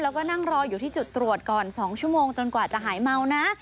แล้วก็นั่งรออยู่ที่จุดตรวจก่อน๒ชั่วโมงจนกว่าจะหายเมานะ